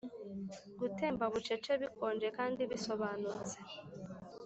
gutemba bucece, bikonje kandi bisobanutse,